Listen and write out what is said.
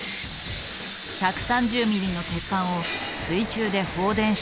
１３０ミリの鉄板を水中で放電して切断。